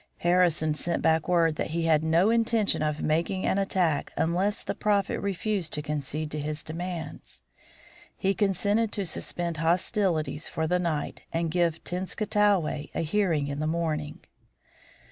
Harrison sent back word that he had no intention of making an attack unless the Prophet refused to concede to his demands. He consented to suspend hostilities for the night and give Tenskwatawa a hearing in the morning.